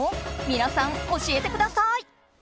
皆さん、教えてください。